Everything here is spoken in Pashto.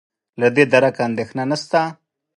له دې درکه اندېښنه نشته.